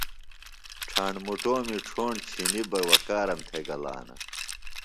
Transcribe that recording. ڇھاݨ مُٹومی ڇھوݨ چِھنی بہ بکارم تھےۡ گلانہ۔